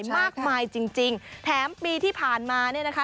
ใช่ค่ะจริงแถมปีที่ผ่านมานี่นะคะ